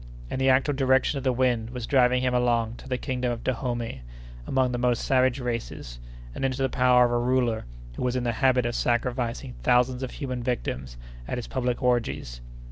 And the actual direction of the wind was driving him along to the kingdom of Dahomey, among the most savage races, and into the power of a ruler who was in the habit of sacrificing thousands of human victims at his public orgies.